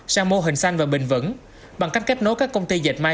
sang mô hình xanh và bình vẩn bằng cách kết nối các công ty dệt may